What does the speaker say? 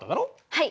はい。